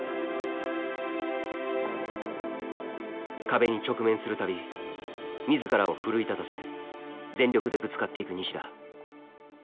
壁に直面する度自らを奮い立たせ全力でぶつかっていく西田。